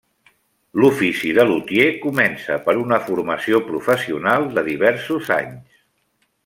L'ofici de lutier comença per una formació professional de diversos anys.